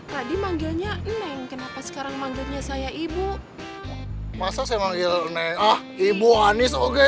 tadi manggilnya neng kenapa sekarang manggilnya saya ibu masa saya manggil nengah ibu anies oke